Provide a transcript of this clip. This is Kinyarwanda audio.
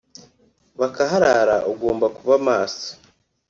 bakaharara ugomba kuba maso